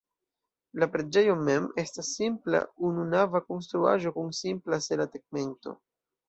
La preĝejo mem estas simpla ununava konstruaĵo kun simpla sela tegmento.